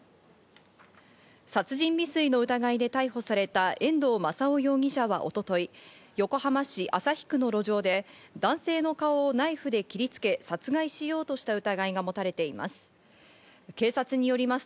殺人未遂の疑いで逮捕された遠藤正雄容疑者は一昨日、横浜市旭区の路上で男性の顔をナイフで切りつけ殺害しようとした疑いが持たれています。